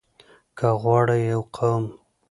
که غواړئ يو قوم